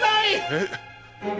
えっ？